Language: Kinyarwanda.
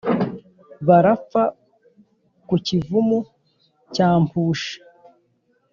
Barapfa ku Kivumu cya Mpushi